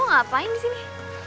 lu ngapain disini